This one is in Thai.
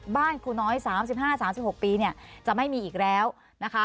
บ้านครูน้อย๓๕๓๖ปีเนี่ยจะไม่มีอีกแล้วนะคะ